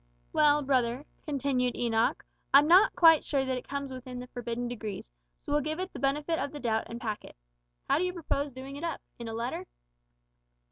Well, brother," continued Enoch, "I'm not quite sure that it comes within the forbidden degrees, so we'll give it the benefit of the doubt and pack it. How d'you propose doing it up? In a letter?"